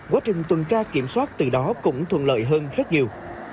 quá trình tuần tra kiểm soát từ đó cũng thuận lợi hơn rất nhiều